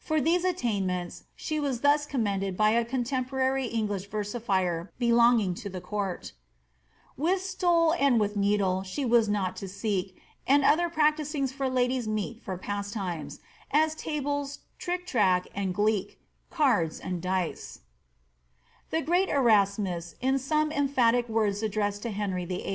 93 these attainments she was thus commended by a contemporary English versifier belonging to the court :—With stole ' and with needle she was not to seek, And other pinfitiiiinga foi ladies meet For pastimesi ^eji tables, trio tiao^ and gleek,' Cards, and dice/' The gieat Erasmvs, in some emphatic words addressed to Henry VIII.